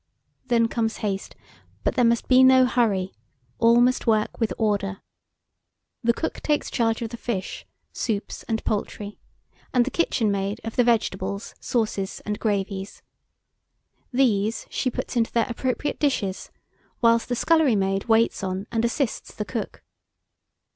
Then comes haste; but there must be no hurry, all must work with order. The cook takes charge of the fish, soups, and poultry; and the kitchen maid of the vegetables, sauces, and gravies. These she puts into their appropriate dishes, whilst the scullery maid waits on and assists the cook.